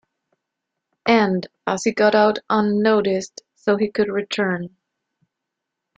And, as he got out unnoticed, so he could return.